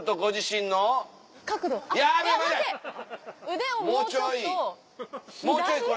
腕をもうちょっと左。